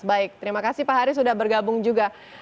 baik terima kasih pak haris sudah bergabung juga